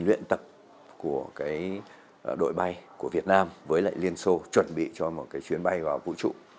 luyện tập của cái đội bay của việt nam với lại liên xô chuẩn bị cho một cái chuyến bay vào vũ trụ